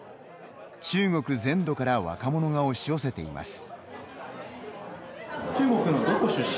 中国全土から若者が押し寄せています。